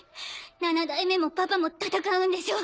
七代目もパパも戦うんでしょ？